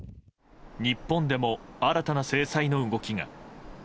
日本でも、新たな制裁の動きが。